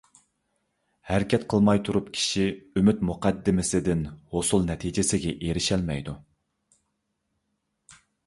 ھەرىكەت قىلماي تۇرۇپ كىشى ئۈمىد مۇقەددىمىسىدىن ھوسۇل نەتىجىسىگە ئېرىشەلمەيدۇ.